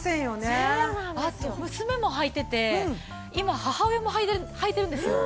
あと娘も履いてて今母親も履いてるんですよ。